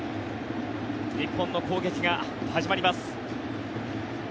日本の攻撃が始まります。